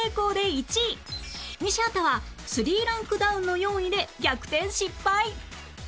西畑は３ランクダウンの４位で逆転失敗